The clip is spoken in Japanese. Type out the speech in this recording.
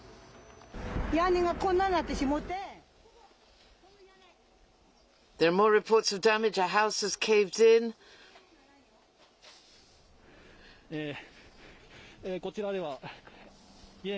屋根がこんなんなってしもうて、ここ、この屋根。